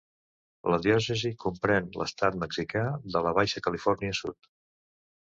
La diòcesi comprèn l'estat mexicà de la Baixa Califòrnia Sud.